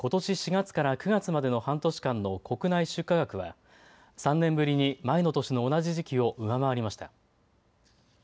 ４月から９月までの半年間の国内出荷額は３年ぶりに前の年の同じ時期を上回りました。